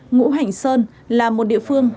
ngũ hành sơn là một địa phương